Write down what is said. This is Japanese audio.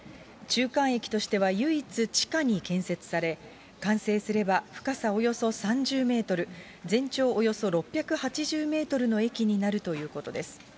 中間駅としては唯一、地下に建設され、完成すれば深さおよそ３０メートル、全長およそ６８０メートルの駅になるということです。